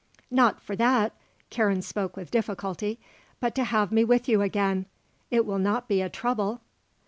"Not for that," Karen spoke with difficulty. "But to have me with you again. It will not be a trouble?"